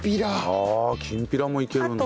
ああきんぴらもいけるんだ。